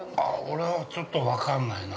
◆俺は、ちょっと分かんないな。